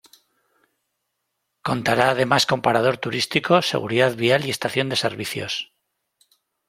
Contara además con parador turístico, seguridad vial y estación de servicios.